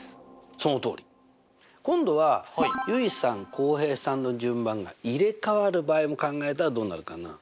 そのとおり！今度は結衣さん浩平さんの順番が入れ代わる場合も考えたらどうなるかな？